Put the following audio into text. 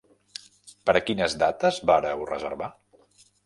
Per a quines dates vàreu reservar?